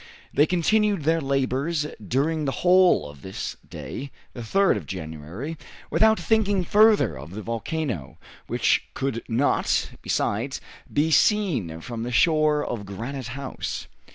They continued their labors during the whole of this day, the 3rd of January, without thinking further of the volcano, which could not, besides, be seen from the shore of Granite House.